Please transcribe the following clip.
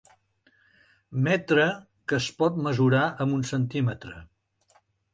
Metre que es pot mesurar amb un centímetre.